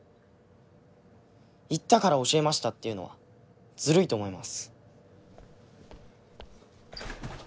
言ったから教えましたっていうのはずるいと思います。